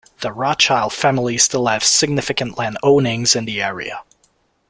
The Rothschild family still have significant land ownings in the area.